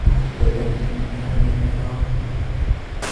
وَأَعَدَّ ذَلِكَ مِنْ نِعَمِهِ الْعِظَامِ